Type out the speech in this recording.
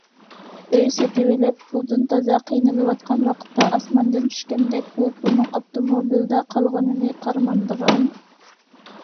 ئۆي سېتىۋېلىپ پۇلدىن تازا قىينىلىۋاتقان ۋاقىتتا ئاسماندىن چۈشكەندەك بۇ پۇلنىڭ ئاپتوموبىلدا قالغىنىنى قارىمامدىغان.